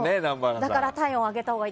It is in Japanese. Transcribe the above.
だから体温を上げたほうがいい。